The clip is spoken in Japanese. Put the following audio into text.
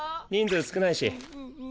人数少ないし。